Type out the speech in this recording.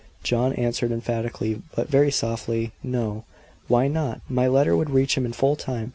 John answered emphatically, but very softly, "No." "Why not? My letter would reach him in full time.